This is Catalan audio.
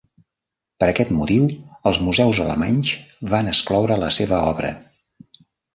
Per aquest motiu els museus alemanys van excloure la seva obra.